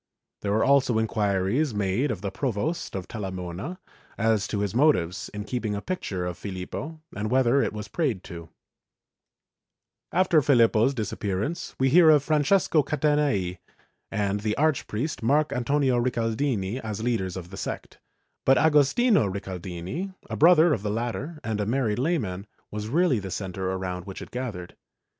There were also inquiries made of the Provost of Talamona as to his motives in keeping a picture of Filippo and whether it was prayed to/ After Filippo's disappearance we hear of Francesco Catanei and of the Archpriest Marc Antonio Ricaldini as leaders of the sect, but Agostino Ricaldini, a brother of the latter and a married lay man, was really the centre around which it gathered.